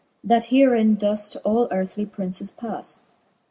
That herin doeft all earthly Princes pas ?